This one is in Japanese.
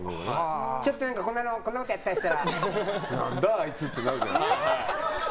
ちょっとこんなこととかしたら何だ、あいつってなるじゃないですか。